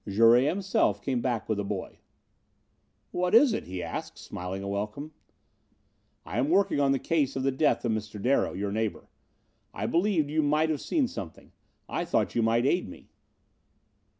Jouret, himself, came back with the boy. "What is it?" he asked, smiling a welcome. "I am working on the case of the death of Mr. Darrow, your neighbor. I believed you might have seen something. I thought you might aid me."